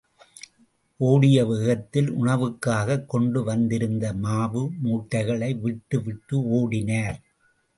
ஒடிய வேகத்தில், உணவுக்காகக் கொண்டு வந்திருந்த மாவு மூட்டைகளை விட்டு விட்டு ஓடினார்.